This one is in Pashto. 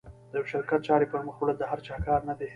د یوه شرکت چارې پر مخ وړل د هر چا کار نه ده.